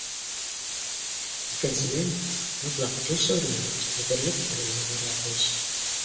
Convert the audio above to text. Икенсенән, мотлаҡ эш урының, етерлек килемең булырға тейеш.